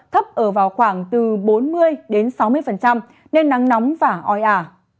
thấp ở vào khoảng từ bốn mươi đến sáu mươi nên nắng nóng và oi ả